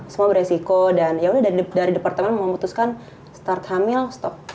semua beresiko dan yaudah dari departemen memutuskan start hamil stop